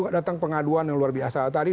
datang pengaduan yang luar biasa tadi